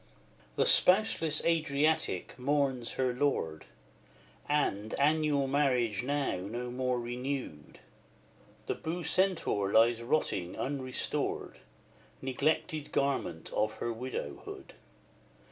XI. The spouseless Adriatic mourns her lord; And, annual marriage now no more renewed, The Bucentaur lies rotting unrestored, Neglected garment of her widowhood!